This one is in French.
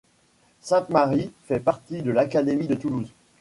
Sainte-Marie fait partie de l'académie de Toulouse.